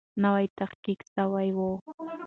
نوی تحقیق سوی وو.